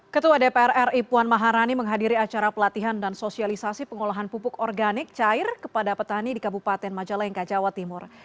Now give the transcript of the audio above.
ketua dpr ri puan maharani menghadiri acara pelatihan dan sosialisasi pengolahan pupuk organik cair kepada petani di kabupaten majalengka jawa timur